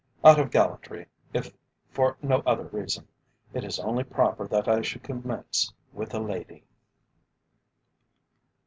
Out of gallantry, if for no other reason, it is only proper that I should commence with the lady.